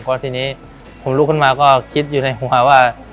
พอทีนี้ผมลุกขึ้นมาก็คิดอยู่ในหัวว่า